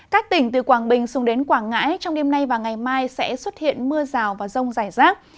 các tỉnh từ quảng bình xuống đến quảng ngãi trong đêm nay và ngày mai sẽ xuất hiện mưa rào và rông rải rác